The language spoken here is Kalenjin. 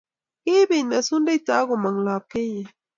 kibet mesundeito ak komong lopkeyet